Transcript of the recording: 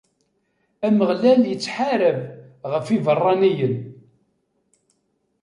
Ameɣlal ittḥarab ɣef yiberraniyen.